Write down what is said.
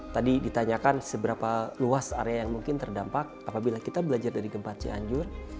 tadi ditanyakan seberapa luas area yang mungkin terdampak apabila kita belajar dari gempa cianjur